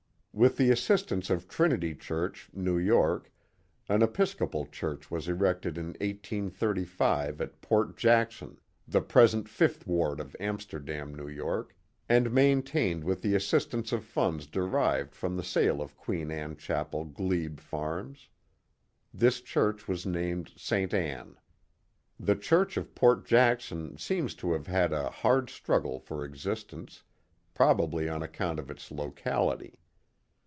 With the assistance of Trinity Church, New York, an Epis copal church was erected in 1835 at Port Jackson, (the present fifth ward of Amsterdam, N. Y.), and maintained with the assistance of funds derived from the sale of Queen Anne Chapel glebe farms. This church was named St. Ann. The church of Port Jackson seems to have had a hard struggle for existence, probably on account of its locality.